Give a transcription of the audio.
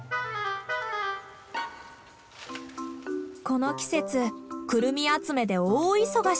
この季節クルミ集めで大忙し。